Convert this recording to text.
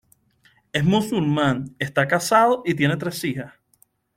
Es musulmán, está casado y tiene tres hijas.